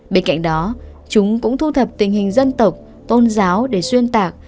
bên cạnh đó chúng cũng thu thập tình hình dân tộc tôn giáo để xuyên tạc